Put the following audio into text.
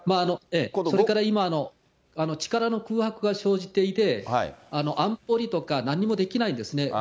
それから今、力の空白が生じていて、安保理とか、なんにもできないんですね。